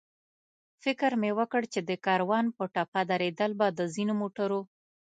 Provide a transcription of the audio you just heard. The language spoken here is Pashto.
فکر مې وکړ چې د کاروان په ټپه درېدل به د ځینو موټرو.